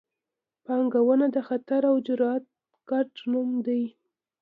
پانګونه د خطر او جرات ګډ نوم دی.